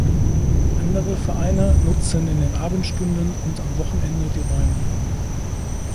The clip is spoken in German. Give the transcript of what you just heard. Andere Vereine nutzen in den Abendstunden und am Wochenende die Räume.